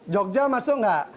jogja masuk nggak